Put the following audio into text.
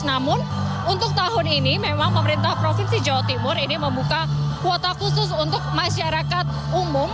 namun untuk tahun ini memang pemerintah provinsi jawa timur ini membuka kuota khusus untuk masyarakat umum